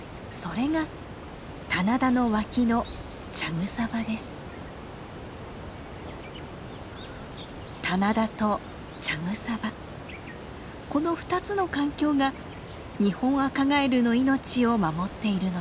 この２つの環境がニホンアカガエルの命を守っているのです。